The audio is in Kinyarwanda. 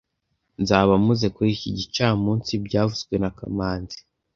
Nzaba mpuze kuri iki gicamunsi byavuzwe na kamanzi